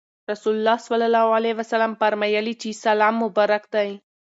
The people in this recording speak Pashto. رسول الله صلی الله عليه وسلم فرمایلي چې سلام مبارک دی.